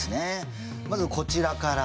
まずこちらから。